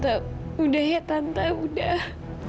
tante sudah ya tante sudah